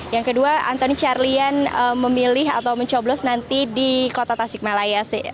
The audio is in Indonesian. yang kedua antoni charlian memilih atau mencoblos nanti di kota tasikmalaya